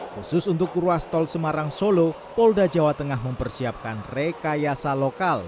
khusus untuk ruas tol semarang solo polda jawa tengah mempersiapkan rekayasa lokal